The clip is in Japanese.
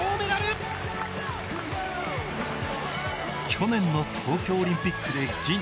去年の東京オリンピックで銀。